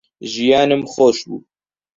ژیانم خۆش بوو